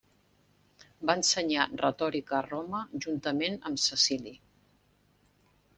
Va ensenyar retòrica a Roma juntament amb Cecili.